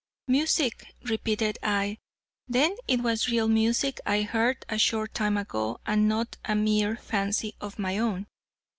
"Music," repeated I, "then it was real music I heard a short time ago and not a mere fancy of my own."